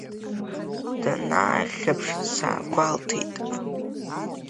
Данаахьаԥш, саагәалҭеит.